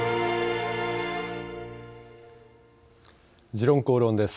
「時論公論」です。